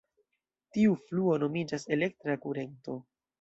Tiu fluo nomiĝas "elektra kurento".